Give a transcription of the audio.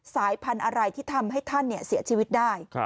สายพันธุ์อะไรที่ทำให้ท่านเสียชีวิตได้